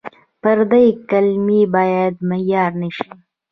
پردۍ کلمې باید معیار نه شي.